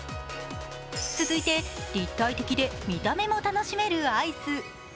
続いて、立体的で見た目も楽しめるアイス。